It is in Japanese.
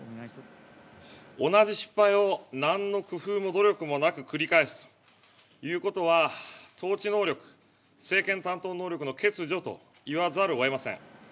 同じ失敗を、なんの工夫も努力もなく繰り返すということは、統治能力、政権担当能力の欠如といわざるをえません。